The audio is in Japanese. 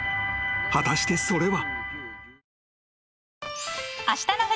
果たしてそれは］